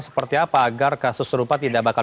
seperti apa agar kasus serupa tidak bakal